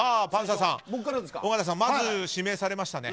尾形さん、まず指名されましたね。